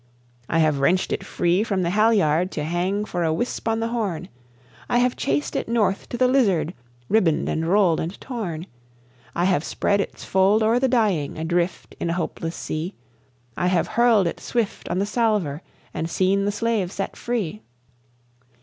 "I have wrenched it free from the halliard to hang for a wisp on the Horn; I have chased it north to the Lizard ribboned and rolled and torn; I have spread its fold o'er the dying, adrift in a hopeless sea; I have hurled it swift on the slaver, and seen the slave set free.